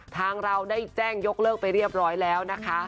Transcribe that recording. ทางเราได้แจ้งยกเลิกไปเรียบร้อยแล้วนะคะ